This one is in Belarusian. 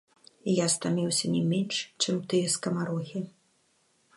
Я стаміўся не менш, чым тыя скамарохі.